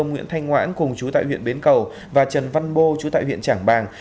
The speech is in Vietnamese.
nguyễn thanh ngoãn cùng chú tại huyện bến cầu và trần văn bô chú tại huyện trảng bàng